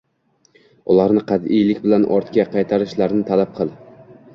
ularni qat’iylik bilan ortga qaytarishlarini talab qil